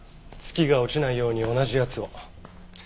ツキが落ちないように同じやつを。